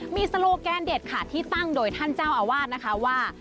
มีโซโลแกนเด็ดค่ะที่ตั้งโดยท่านเจ้าอาวาสนะคะว่า